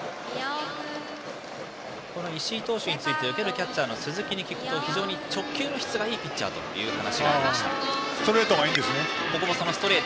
石井投手についてキャッチャーの鈴木に聞くと非常に直球の質がいいピッチャーと話しました。